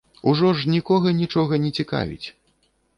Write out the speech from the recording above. Ужо ж нікога нічога не цікавіць.